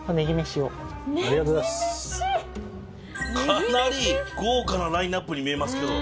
かなり豪華なラインナップに見えますけど。